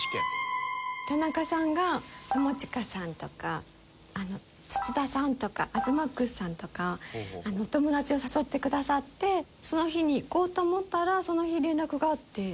田中さんが友近さんとか土田さんとか東ＭＡＸさんとかお友達を誘ってくださってその日に行こうと思ったらその日連絡があって。